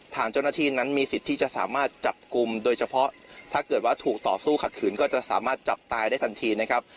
ทางเจ้าหน้าที่นั้นมีสิทธิ์ที่จะสามารถจับกลุ่มโดยเฉพาะถ้าเกิดว่าถูกต่อสู้ขัดขืนก็จะสามารถจับตายได้ทันทีนะครับ